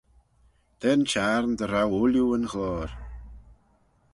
Da'n Çhiarn dy row ooilley yn ghloyr.